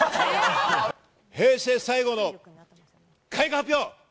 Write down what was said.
平成最後の開花発表！